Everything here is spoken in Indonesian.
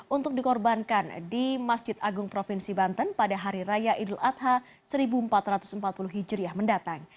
untuk dikorbankan di masjid agung provinsi banten pada hari raya idul adha seribu empat ratus empat puluh hijriah mendatang